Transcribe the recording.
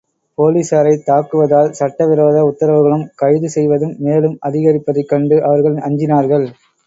போலிஸாரைத் தாக்குவதால் சட்ட விரோத உத்தரவுகளும், கைது செய்வதும் மேலும் அதிகரிப்பதைக் கண்டு அவர்கள் அஞ்சினார்கள்.